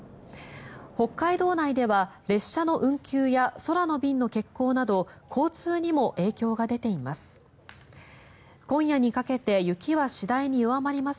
北海道内では列車の運休や空の便の欠航など交通にも影響が出ています。